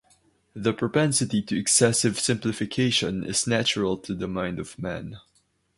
The propensity to excessive simplification is natural to the mind of man.